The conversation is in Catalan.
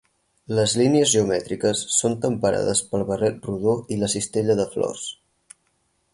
Les línies geomètriques són temperades pel barret rodó i la cistella de flors.